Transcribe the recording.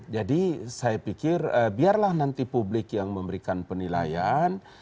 saya pikir biarlah nanti publik yang memberikan penilaian